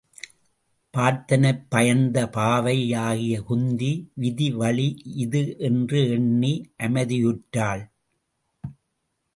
பார்த்தனைப் பயந்த பாவை யாகிய குந்தி விதி வழி இது என்று எண்ணி அமைதியுற்றாள்.